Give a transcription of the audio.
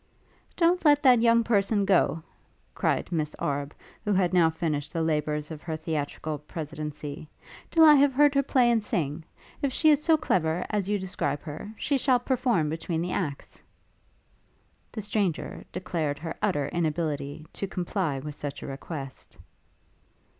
'Don't let that young person go,' cried Miss Arbe, who had now finished the labours of her theatrical presidency, 'till I have heard her play and sing. If she is so clever, as you describe her, she shall perform between the acts.' The stranger declared her utter inability to comply with such a request.